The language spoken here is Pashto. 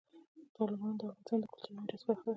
تالابونه د افغانستان د کلتوري میراث برخه ده.